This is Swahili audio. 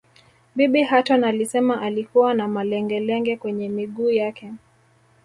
Bibi Hutton alisema alikuwa na malengelenge kwenye miguu yake